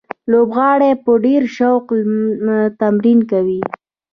لوبغاړي په ډېر شوق تمرین کوي.